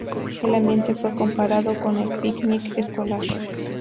El ambiente fue comparado con un picnic escolar.